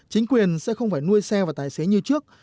chính quyền sẽ không phải nuôi xe và tài xế như trước